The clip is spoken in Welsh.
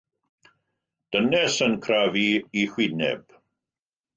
Dynes yn crafu ei hwyneb.